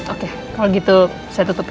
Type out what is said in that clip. oke kalau gitu saya tutup ya